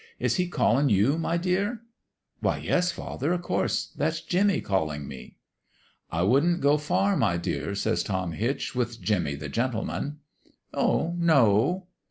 ' Is he callin' you, my dear ?'"' Why, yes, father ! Of course. That's Jim mie callin' me.' "' I wouldn't go far, my dear,' says Tom Hitch, with Jimmie the Gentleman.' "' Oh, no